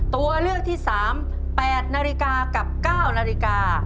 ตัวเลือกที่๓๘นาฬิกากับ๙นาฬิกา